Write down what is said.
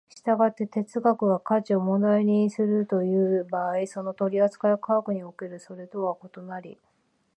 従って哲学が価値を問題にするという場合、その取扱いは科学におけるそれとは異なり、